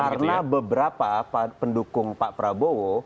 karena beberapa pendukung pak prabowo